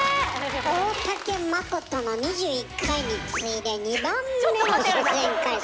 大竹まことの２１回に次いで２番目の出演回数！